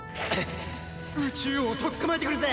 宇蟲王をとっ捕まえてくるぜ！